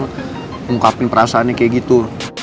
mengungkapin perasaannya kayak gitu